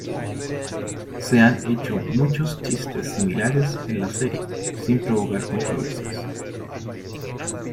Se han hecho muchos chistes similares en la serie sin provocar controversias.